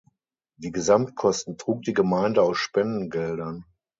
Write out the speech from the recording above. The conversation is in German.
Die Gesamtkosten trug die Gemeinde aus Spendengeldern.